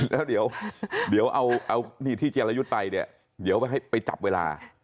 แล้วเดี๋ยวเอาที่เจียรายุทธ์ไปเดี๋ยวให้ไปจับเวลา